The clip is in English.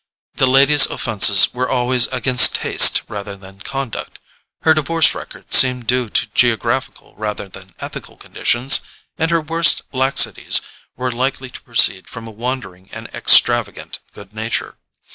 The lady's offences were always against taste rather than conduct; her divorce record seemed due to geographical rather than ethical conditions; and her worst laxities were likely to proceed from a wandering and extravagant good nature.